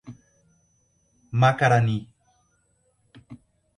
Macarani